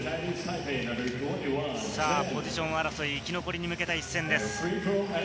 ポジション争い、生き残りに向けた一戦です。